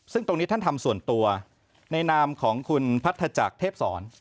ซึ่งตรงนี้ท่านทำส่วนตัวในนามของคุณพัทธจักรเทพศร